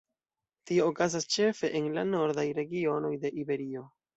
Tio okazas ĉefe en la nordaj regionoj de Iberio.